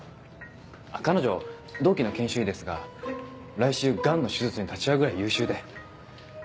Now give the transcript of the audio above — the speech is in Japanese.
彼女同期の研修医ですが来週ガンの手術に立ち会うぐらい優秀で。